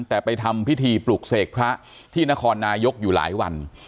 แต่ไปทำพิธีปลุกเสกพระที่นครนายกอยู่หลายวัน